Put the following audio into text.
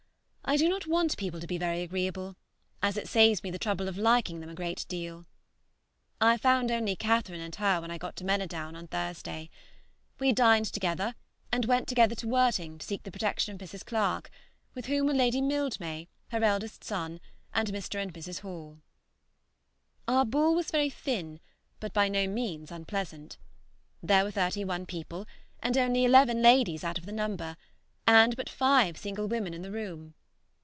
I do not want people to be very agreeable, as it saves me the trouble of liking them a great deal. I found only Catherine and her when I got to Manydown on Thursday. We dined together, and went together to Worting to seek the protection of Mrs. Clarke, with whom were Lady Mildmay, her eldest son, and Mr. and Mrs. Hoare. Our ball was very thin, but by no means unpleasant. There were thirty one people, and only eleven ladies out of the number, and but five single women in the room.